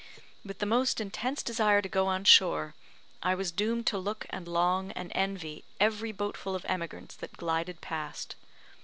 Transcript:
With the most intense desire to go on shore, I was doomed to look and long and envy every boatful of emigrants that glided past.